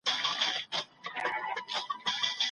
خادم